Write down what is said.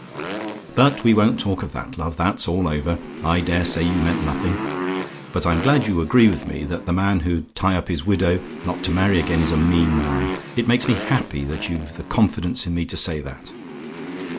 "But we won't talk of that, love that's all over: I dare say you meant nothing. But I'm glad you agree with me, that the man who'd tie up his widow not to marry again, is a mean man. It makes me happy that you've the confidence in me to say that.